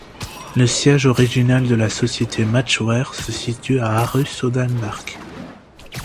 Le siège original de la société Matchware se situe à Aarhus, au Danemark.